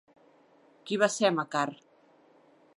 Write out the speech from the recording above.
Qui va ser Macar?